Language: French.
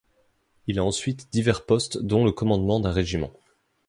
Il a ensuite divers postes dont le commandement d'un régiment.